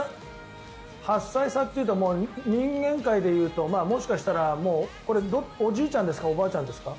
８歳差というと人間界でいうともしかしたらおじいちゃんですかおばあちゃんですか？